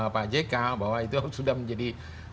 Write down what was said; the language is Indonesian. pak jk bahwa itu sudah menjadi